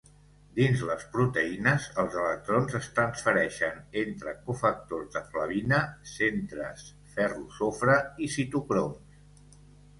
Dins les proteïnes, els electrons es transfereixen entre cofactors de flavina, centres ferro-sofre, i citocroms.